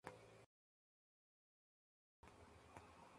no vivirías